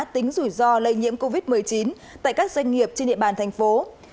mức độ rủi ro lây nhiễm covid một mươi chín tại các doanh nghiệp trên địa bàn tp hcm